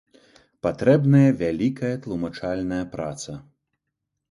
Патрэбная вялікая тлумачальная праца.